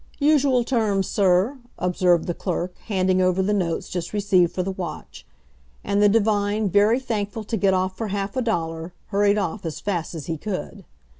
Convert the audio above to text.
"Usual terms, Sir," observed the clerk, handing over the notes just received for the watch. And the divine, very thankful to get off for half a dollar, hurried off as fast as he could.